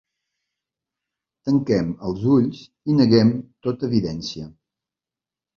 Tanquem els ulls i neguem tota evidència.